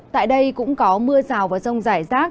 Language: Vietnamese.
tại đây cũng có mưa rào và rông rải rác